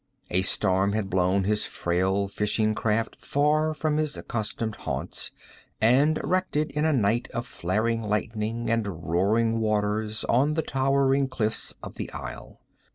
A storm had blown his frail fishing craft far from his accustomed haunts, and wrecked it in a night of flaring lightning and roaring waters on the towering cliffs of the isle.